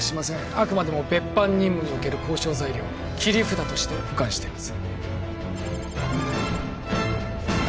あくまでも別班任務における交渉材料切り札として保管しています